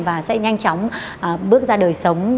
và sẽ nhanh chóng bước ra đời sống